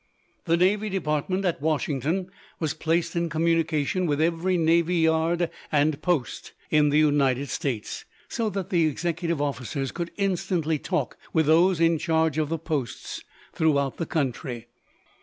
The Navy Department at Washington was placed in communication with every navy yard and post in the United States, so that the executive officers could instantly talk with those in charge of the posts throughout the country.